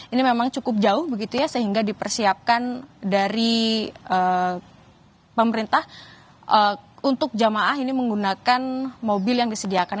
ini memang cukup jauh begitu ya sehingga dipersiapkan dari pemerintah untuk jamaah ini menggunakan mobil yang disediakan